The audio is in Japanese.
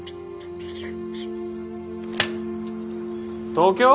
東京？